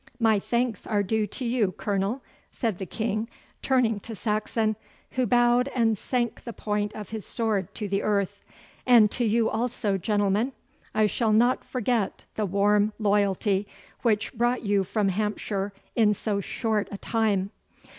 'My thanks are due to you, Colonel,' said the King, turning to Saxon, who bowed and sank the point of his sword to the earth, 'and to you also, gentlemen. I shall not forget the warm loyalty which brought you from Hampshire in so short a time.